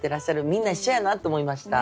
みんな一緒やなと思いました。